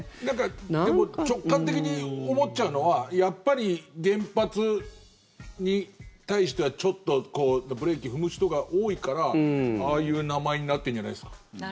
でも直感的に思っちゃうのはやっぱり原発に対してはブレーキ踏む人が多いからああいう名前になってるんじゃないですか。